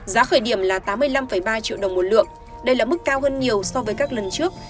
giá khởi điểm là tám mươi năm ba triệu đồng một lượng đây là mức cao hơn nhiều so với các lần trước